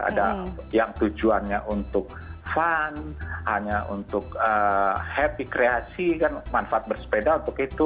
ada yang tujuannya untuk fun hanya untuk happy kreasi kan manfaat bersepeda untuk itu